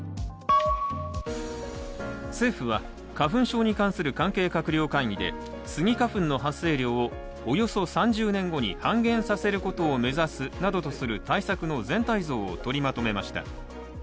政府は花粉症に関する関係閣僚会議でスギ花粉の発生量を、およそ３０年後に半減させることを目指すなどとする対策の全体像を取りまとめました。